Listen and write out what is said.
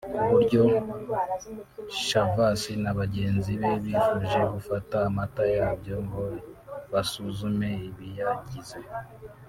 ku buryo Chavas na bagenzi be bifuje gufata amata yabyo ngo basuzume ibiyagize